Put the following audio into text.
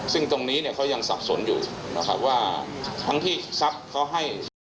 ซึ่งตรงนี้เขายังสับสนอยู่ทั้งที่ทรัพย์เขาให้